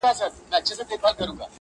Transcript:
بس لکه تندر پر مځکه لوېږې؛